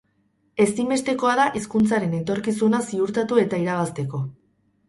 Ezinbestekoa da hizkuntzaren etorkizuna ziurtatu eta irabazteko.